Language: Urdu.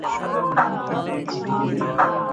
امیدواروں کو آشنا کرنے کے ساتھ ساتھ ان ممالک میں